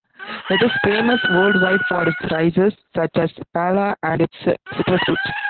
It is famous worldwide for its rices, such as paella, and its citrus fruits.